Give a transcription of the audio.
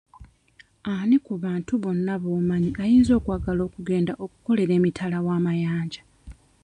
Ani ku bantu bonna b'omanyi ayinza okwagala okugenda okukolera emitala wa mayanja?